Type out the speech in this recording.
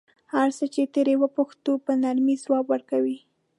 هر څه چې ترې وپوښتو په نرمۍ ځواب ورکوي.